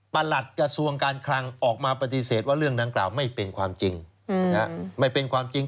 ประหลัดกระทรวงการคลังออกมาปฏิเสธว่าเรื่องดังกล่าวไม่เป็นความจริง